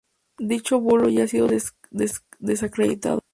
Dicho bulo ya ha sido desacreditado.